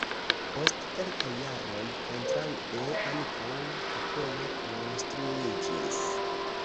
Post kelkaj jaroj kontraŭe ankaŭ kapelo konstruiĝis.